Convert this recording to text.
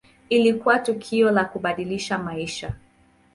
Ilikuwa tukio la kubadilisha maisha.